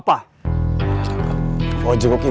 bukan saya berani kalau tidak